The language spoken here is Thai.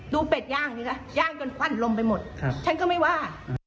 เป็ดย่างสิคะย่างจนควั่นลมไปหมดฉันก็ไม่ว่า